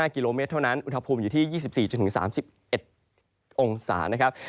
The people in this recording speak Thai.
กิโลเมตรเท่านั้นอุณหภูมิอยู่ที่๒๔๓๑องศานะครับ